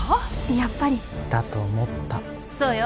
やっぱりだと思ったそうよ